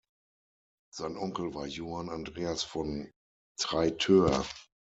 Sein Onkel war Johann Andreas von Traitteur.